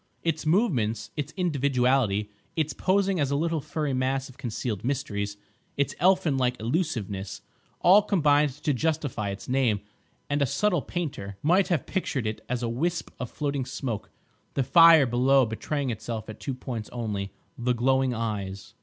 Its movements, its individuality, its posing as a little furry mass of concealed mysteries, its elfin like elusiveness, all combined to justify its name; and a subtle painter might have pictured it as a wisp of floating smoke, the fire below betraying itself at two points only—the glowing eyes.